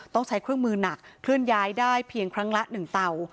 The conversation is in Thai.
ต้องใช้เครื่องมือหนักเคลื่อนย้ายได้เพียงครั้งละ๑เตา